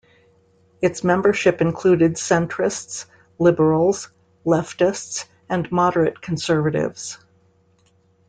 Its membership included centrists, liberals, leftists, and moderate conservatives.